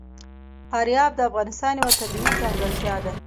فاریاب د افغانستان یوه طبیعي ځانګړتیا ده.